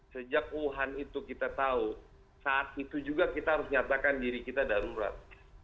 sejak wuhan itu kita tahu saat itu juga kita harus nyatakan diri kita darurat